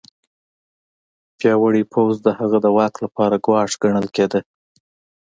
پیاوړی پوځ د هغه د واک لپاره ګواښ ګڼل کېده.